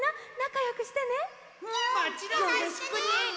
よろしくね！